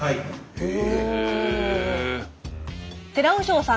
へえ。